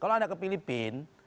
kalau anda ke filipina